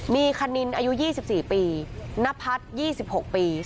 มีคณินอายุ๒๔ปีนพัฒน์๒๖ปี